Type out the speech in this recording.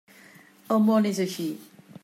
El món és així.